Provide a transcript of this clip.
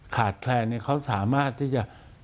ขาดแคลนเขาสามารถที่จะ